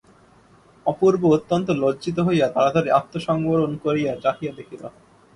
অপূর্ব অত্যন্ত লজ্জিত হইয়া তাড়াতাড়ি আত্মসংবরণ করিয়া চাহিয়া দেখিল।